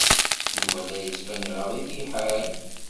Yuba la d-yettban iɣaḍ-it lḥal?